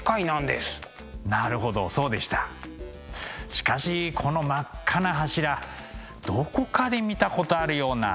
しかしこの真っ赤な柱どこかで見たことあるような。